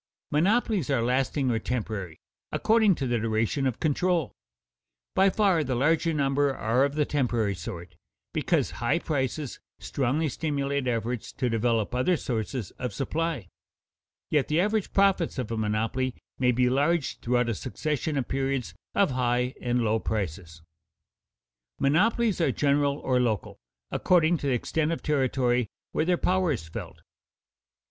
Monopolies are lasting or temporary, according to the duration of control. By far the larger number are of the temporary sort, because high prices strongly stimulate efforts to develop other sources of supply. Yet the average profits of a monopoly may be large throughout a succession of periods of high and low prices. Monopolies are general or local, according to the extent of territory where their power is felt.